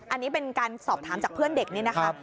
อันนี้เป็นการสอบถามจากเพื่อนเด็กนี่นะคะ